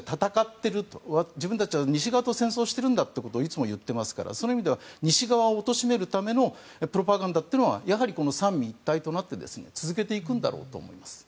自分たちは西側と戦争をしているんだということをいつも言っていますからそういう意味では西側をおとしめるためのプロパガンダはやはり三位一体となって続けていくんだろうと思います。